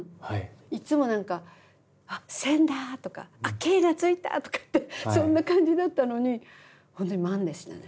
いつも何か「千だ」とか「ｋがついた」とかってそんな感じだったのに本当に万でしたね。